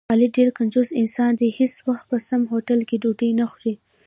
علي ډېر کنجوس انسان دی، هېڅ وخت په سم هوټل کې ډوډۍ نه خوري.